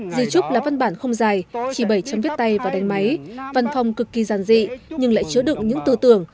di trúc là văn bản không dài chỉ bảy chấm viết tay và đánh máy văn phòng cực kỳ giàn dị nhưng lại chứa đựng những tư tưởng